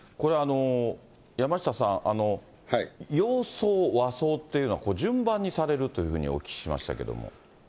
山下さん、洋装、和装っていうのは、順番にされるというふうにお聞きしましたけれども。